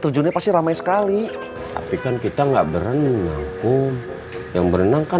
tujunnya pasti ramai sekali tapi kan kita nggak berenang kum yang berenang kan